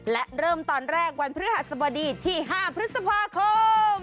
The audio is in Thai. และเริ่มตอนแรกวันพฤหัสบดีที่๕พฤษภาคม